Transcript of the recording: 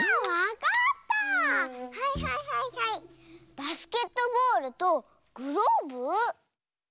バスケットボールとグローブ？